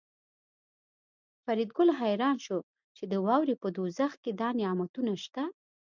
فریدګل حیران شو چې د واورې په دوزخ کې دا نعمتونه شته